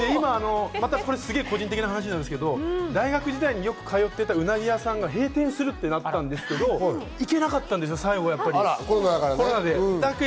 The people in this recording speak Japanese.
すごい個人的な話なんですけど、大学時代によく通っていたうなぎ屋さんが閉店するってなったんですけど、行けなかったんですよ、コロナで。